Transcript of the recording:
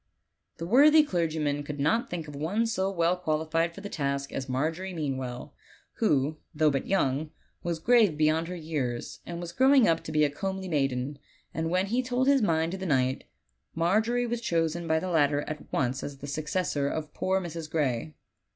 The worthy clergyman could not think of one so well qualified for the task as Margery Meanwell, who, though but young, was grave beyond her years, and was growing up to be a comely maiden; and when he told his mind to the knight, Margery was chosen by the latter at once as the successor of poor Mrs. Gray.